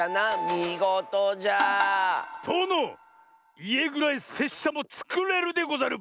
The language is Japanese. みごとじゃ！とのいえぐらいせっしゃもつくれるでござる！